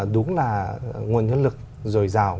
đúng là nguồn nhân lực rồi rào